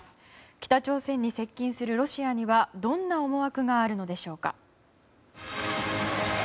北朝鮮に接近するロシアにはどんな思惑があるのでしょうか。